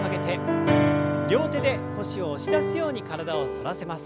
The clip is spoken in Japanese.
両手で腰を押し出すように体を反らせます。